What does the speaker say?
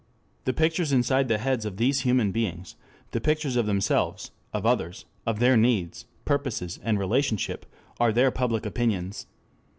The pictures inside the heads of these human beings, the pictures of themselves, of others, of their needs, purposes, and relationship, are their public opinions.